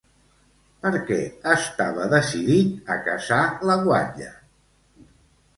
Per què estava decidit a caçar la guatlla?